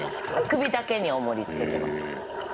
首だけにおもりつけてます